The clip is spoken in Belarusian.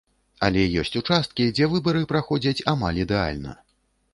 Але ёсць участкі, дзе выбары праходзяць амаль ідэальна.